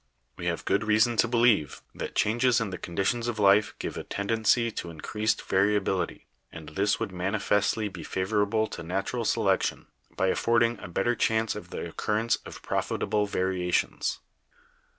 "We have good reason to believe that changes in the conditions of life give a tendency to increased variability; and this would manifestly be favorable to natural selec tion, by affording a better chance of the occurrence of profitable variations.